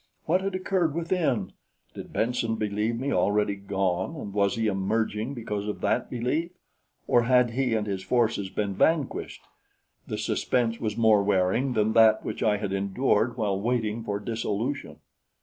What had occurred within? Did Benson believe me already gone, and was he emerging because of that belief, or had he and his forces been vanquished? The suspense was more wearing than that which I had endured while waiting for dissolution.